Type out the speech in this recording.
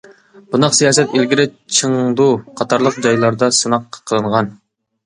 بۇنداق سىياسەت ئىلگىرى چېڭدۇ قاتارلىق جايلاردا سىناق قىلىنغان.